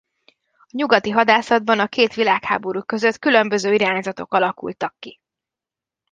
A nyugati hadászatban a két világháború között különböző irányzatok alakultak ki.